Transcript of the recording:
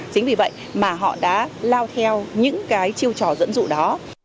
chính vì vậy mà họ đã lao theo những cái chiêu trò dẫn dụ đó